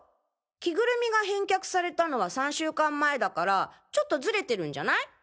着ぐるみが返却されたのは３週間前だからちょっとズレてるんじゃない？